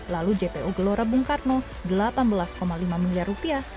lalu jpo gelora bung karno delapan belas lima miliar rupiah